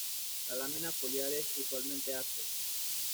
La lámina foliar es usualmente áspera.